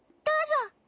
どうぞ。